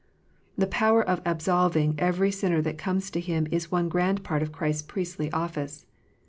The power of absolving every sinner that comes to Him is one grand part of Christ s priestly office.